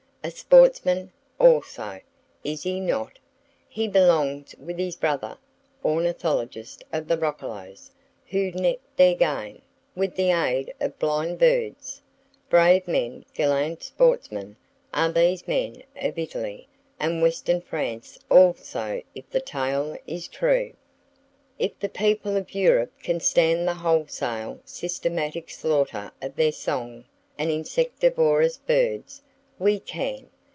A "sportsman" also, is he not? He belongs with his brother "ornithologists" of the roccolos, who net their "game" with the aid of blind birds! Brave men, gallant "sportsmen," are these men of Italy,—and western France also if the tale is true! If the people of Europe can stand the wholesale, systematic slaughter of their song and insectivorous birds, we can!